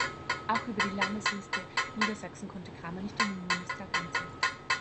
Auch über die Landesliste Niedersachsen konnte Kramer nicht in den Bundestag einziehen.